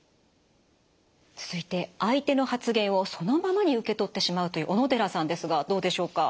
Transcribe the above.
続いて相手の発言をそのままに受け取ってしまうという小野寺さんですがどうでしょうか？